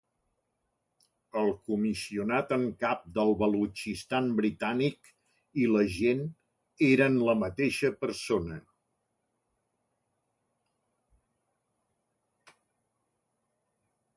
El comissionat en cap del Balutxistan Britànic i l'agent eren la mateixa persona.